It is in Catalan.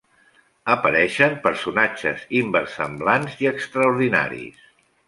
Apareixen personatges inversemblants i extraordinaris.